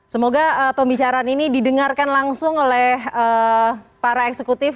semoga pembicaraan ini didengarkan langsung oleh para eksekutif